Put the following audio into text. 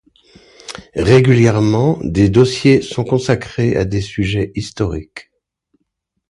Régulièrement, des dossiers sont consacrés à des sujets historiques.